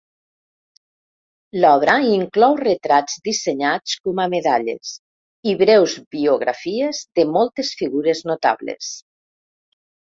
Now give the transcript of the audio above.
L'obra inclou retrats dissenyats com a medalles, i breus biografies de moltes figures notables.